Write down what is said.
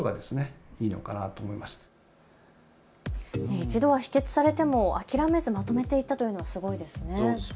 一度は否決されても諦めずにまとめていったのはすごいですね。